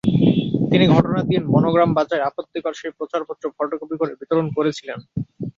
তিনি ঘটনার দিন বনগ্রাম বাজারে আপত্তিকর সেই প্রচারপত্র ফটোকপি করে বিতরণ করেছিলেন।